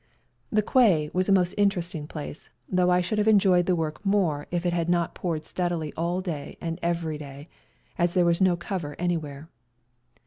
The quay was a most interesting place, though I should have enjoyed the work more if it had not poured steadily all day and every day, as there was no cover anywhere.